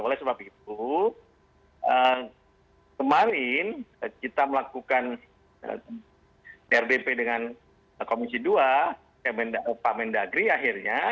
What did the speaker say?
oleh sebab itu kemarin kita melakukan rdp dengan komisi dua pak mendagri akhirnya